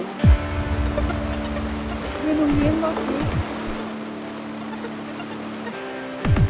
gue nungguin waktu